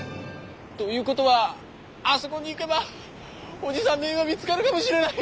ということはあそこに行けばおじさんの家が見つかるかもしれない！